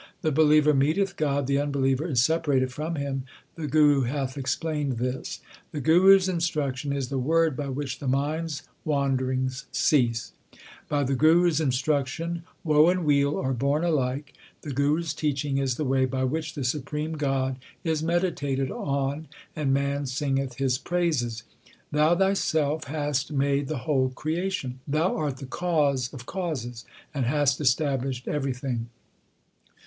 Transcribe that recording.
The believer meeteth God ; the unbeliever is separated from Him the Guru hath explained this. The Guru s instruction is the Word by which the mind s wanderings cease ; HYMNS OF GURU ARJAN 123 By the Guru s instruction woe and weal are borne alike. The Guru s teaching is the way by which the supreme God is meditated on, and man singeth His praises. Thou Thyself hast made the whole creation. Thou art the Cause of causes, and hast established every thing.